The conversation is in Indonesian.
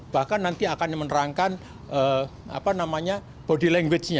bahkan nanti akan menerangkan body language nya